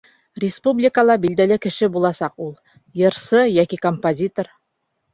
Республикала билдәле кеше буласаҡ ул. Йырсы йәки композитор!